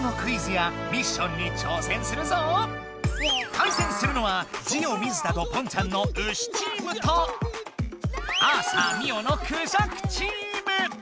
対戦するのはジオ水田とポンちゃんのウシチームとアーサー・ミオのクジャクチーム。